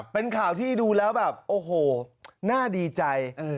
เป็นข่าวที่ดูแล้วแบบโอ้โหน่าดีใจ